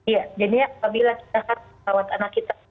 ya jadinya apabila kita harus merawat anak kita